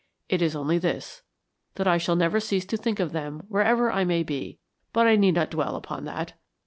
It is only this, that I shall never cease to think of them wherever I may be but I need not dwell upon that.